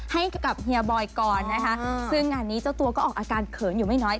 ให้กับเฮียบอยก่อนนะคะซึ่งงานนี้เจ้าตัวก็ออกอาการเขินอยู่ไม่น้อย